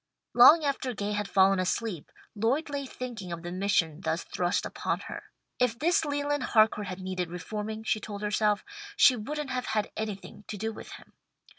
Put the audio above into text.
Long after Gay had fallen asleep, Lloyd lay thinking of the mission thus thrust upon her. If this Leland Harcourt had needed reforming, she told herself, she wouldn't have had anything to do with him.